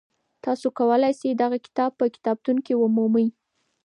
تاسو کولی شئ دغه کتاب په کتابتون کي ومومئ.